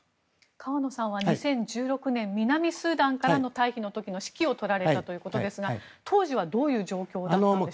河野さんは２０１６年南スーダンからの退避の時の指揮を執られたということですが当時はどういう状況だったんでしょうか？